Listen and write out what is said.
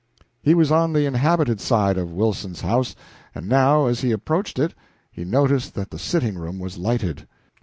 He was on the inhabited side of Wilson's house, and now as he approached it he noticed that the sitting room was lighted.